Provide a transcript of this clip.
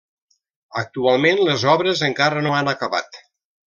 Actualment les obres encara no han acabat.